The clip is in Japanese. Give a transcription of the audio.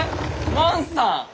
万さん！